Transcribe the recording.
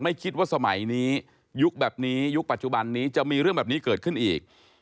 ไม่คิดว่าสมัยนี้ยุคแบบนี้ยุคปัจจุบันนี้จะมีเรื่องแบบนี้เกิดขึ้นอีก